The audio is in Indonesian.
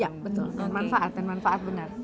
iya betul manfaat dan manfaat benar